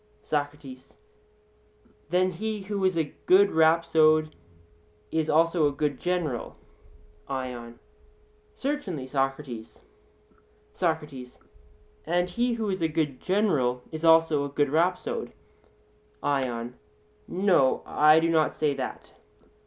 SOCRATES: Then he who is a good rhapsode is also a good general? ION: Certainly, Socrates. SOCRATES: And he who is a good general is also a good rhapsode? ION: No; I do not say that.